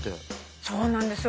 そうなんですよ